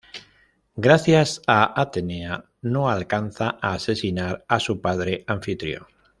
Gracias a Atenea no alcanza a asesinar a su padre Anfitrión.